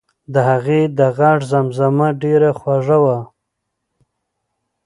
د هغې د غږ زمزمه ډېره خوږه وه.